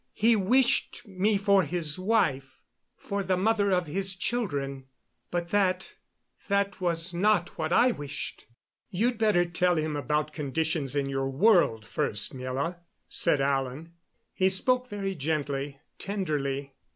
He wished me for his wife for the mother of his children. But that that was not what I wished." "You'd better tell him about conditions in your world first, Miela," said Alan. He spoke very gently, tenderly.